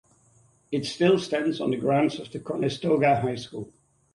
It still stands on the grounds of Conestoga High School.